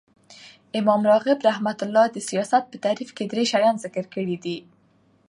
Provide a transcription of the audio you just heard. امام راغب رحمة الله د سیاست په تعریف کښي درې شیان ذکر کړي دي.